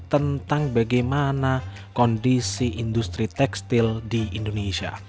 tentang bagaimana kondisi industri tekstil di indonesia